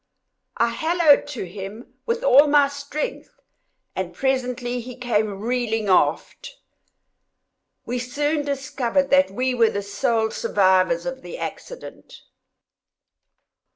I hallooed to him with all my strength, and presently he came reeling aft. We soon discovered that we were the sole survivors of the accident.